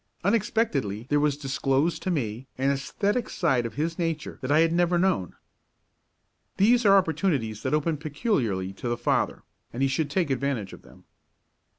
Unexpectedly there was disclosed to me an æsthetic side of his nature that I had never known. These are opportunities that open peculiarly to the father, and he should take advantage of them.